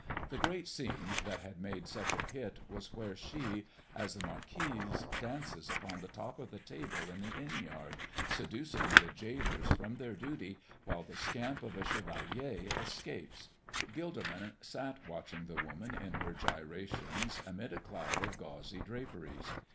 The great scene that had made such a hit was where she, as the Marquise, dances upon the top of the table in the inn yard, seducing the jailers from their duty while the scamp of a chevalier escapes. Gilderman sat watching the woman in her gyrations amid a cloud of gauzy draperies.